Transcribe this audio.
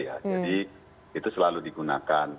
jadi itu selalu digunakan